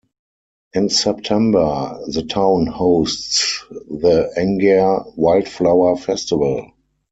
In September the town hosts the Angair Wildflower Festival.